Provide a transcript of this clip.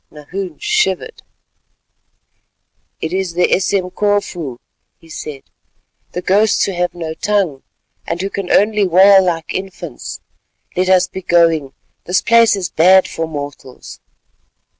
Nahoon shivered. "It is the Esemkofu," he said, "the ghosts who have no tongue, and who can only wail like infants. Let us be going; this place is bad for mortals."